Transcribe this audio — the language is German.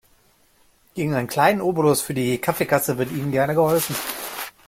Gegen einen kleinen Obolus für die Kaffeekasse wird Ihnen gerne geholfen.